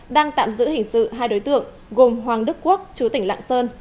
đang tạm giữ hình sự hai đối tượng gồm hoàng đức quốc chú tỉnh lạng sơn